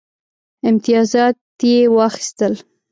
امتیازات یې واخیستل.